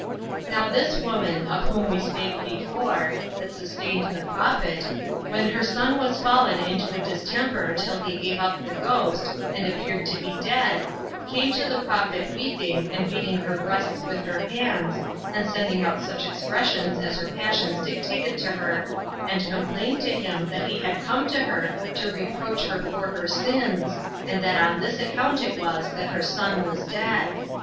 3. Now this woman, of whom we spake before, that sustained the prophet, when her son was fallen into a distemper till he gave up the ghost, and appeared to be dead, came to the prophet weeping, and beating her breasts with her hands, and sending out such expressions as her passions dictated to her, and complained to him that he had come to her to reproach her for her sins, and that on this account it was that her son was dead.